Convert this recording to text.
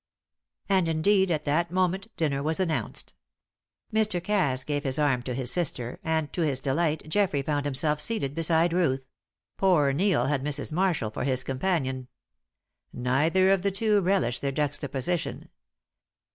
And, indeed, at that moment dinner was announced. Mr. Cass gave his arm to his sister, and to his delight Geoffrey found himself seated beside Ruth; poor Neil had Mrs. Marshall for his companion. Neither of the two relished their juxtaposition.